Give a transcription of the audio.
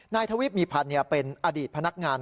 ทวีปมีพันธ์เป็นอดีตพนักงาน